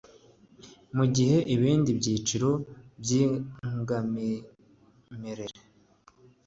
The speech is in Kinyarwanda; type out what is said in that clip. mu gihe ibindi byiciro by irangamimerere